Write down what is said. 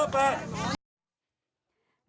เบอร์๘